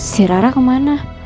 si rara kemana